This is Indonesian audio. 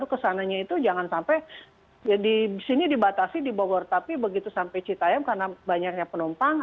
kesananya itu jangan sampai di sini dibatasi di bogor tapi begitu sampai citayam karena banyaknya penumpang